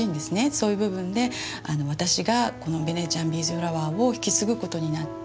そういう部分で私がこのベネチアンビーズフラワーを引き継ぐことになって。